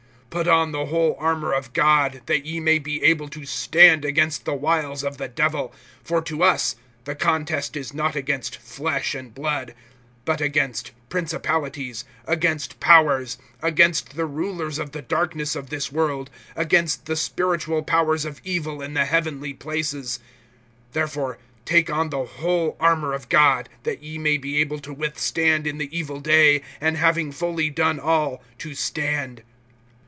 (11)Put on the whole armor of God, that ye may be able to stand against the wiles of the Devil. (12)For to us, the contest is not against flesh and blood, but against principalities, against powers, against the rulers of the darkness of this world, against the spiritual powers of evil in the heavenly places[6:12]. (13)Therefore take on the whole armor of God, that ye may be able to withstand in the evil day, and having fully done all, to stand.